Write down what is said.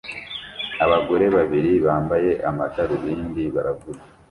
Abagore babiri bambaye amadarubindi baravuga